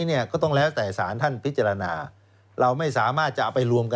นี่คือเน้นทั้งหมดแล้วถูกไหมคะ